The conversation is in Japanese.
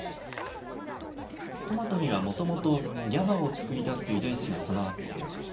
トマトには、もともとＧＡＢＡを作り出す遺伝子が備わっています。